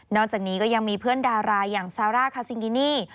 จากนี้ก็ยังมีเพื่อนดาราอย่างซาร่าคาซิงกินี่